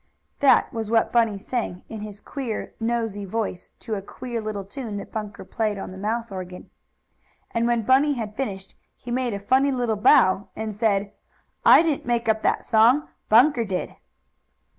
That was what Bunny sang, in his queer, "nosey" voice, to a queer little tune that Bunker played on the mouth organ. And, when Bunny had finished, he made a funny little bow, and said: "I didn't make up that song. Bunker did!"